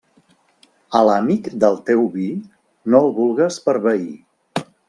A l'amic del teu vi no el vulgues per veí.